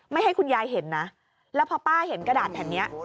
ให้คุณยายเห็นนะแล้วพอป้าเห็นกระดาษแผ่นนี้